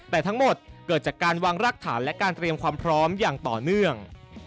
แต่ทั้งหมดเกิดจากการวางรากฐานและการเตรียมความพร้อมอย่างต่อเนื่อง